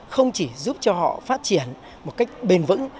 không chỉ giúp cho họ phát triển một cách bền vững